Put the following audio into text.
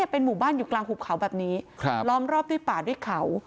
เป็นหมู่บ้านอยู่กลางหุบเขาแบบนี้ล้อมรอบด้วยป่าด้วยเขา